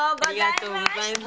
ありがとうございます。